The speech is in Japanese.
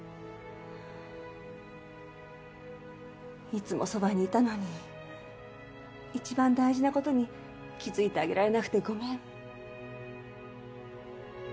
いつもそばにいたのに一番大事な事に気づいてあげられなくてごめん。